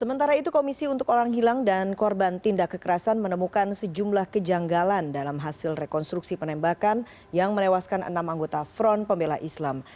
sementara itu komisi untuk orang hilang dan korban tindak kekerasan menemukan sejumlah kejanggalan dalam hasil rekonstruksi penembakan yang menewaskan enam anggota front pembela islam